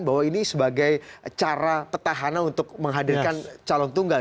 bahwa ini sebagai cara petahana untuk menghadirkan calon tunggal